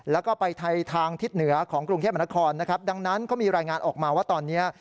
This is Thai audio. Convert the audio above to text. แล้วก็ไปไทยทางทิศเหนือของกรุงเทพมนครนะครับดังนั้นเขามีรายงานออกมาว่าตอนนี้